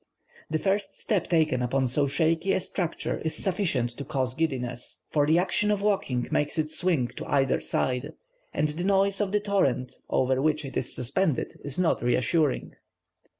The first step taken upon so shaky a structure is sufficient to cause giddiness, for the action of walking makes it swing to either side, and the noise of the torrent over which it is suspended is not reassuring.